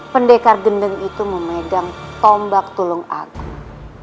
pendekar gendeng itu memegang tombak tulung agung